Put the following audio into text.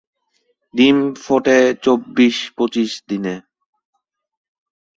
ডিম ফোটে চব্বিশ-পঁচিশ দিনে।